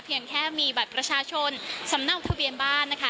แค่มีบัตรประชาชนสำเนาทะเบียนบ้านนะคะ